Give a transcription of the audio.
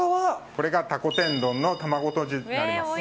これが蛸天丼の卵とじになります。